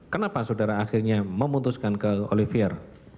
kenapa saudara akhirnya memutuskan ke olivier